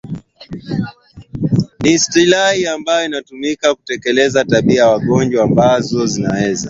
ni istilahi ambayo imetumika kuelezea tabia za wagonjwa ambazo zinaweza